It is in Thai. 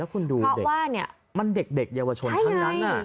คุณดูเพราะว่ามันเด็กเยาวชนทั้งนั้น